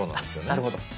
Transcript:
なるほど。